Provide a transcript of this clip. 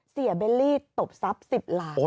เบลลี่ตบทรัพย์๑๐ล้าน